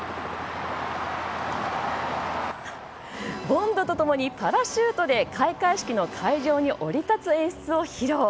ボンドと共にパラシュートで開会式の会場に降り立つ演出を披露。